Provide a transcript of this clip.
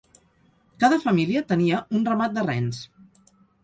Cada família tenia un ramat de rens.